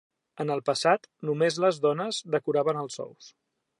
En el passat, només les dones decoraven els ous.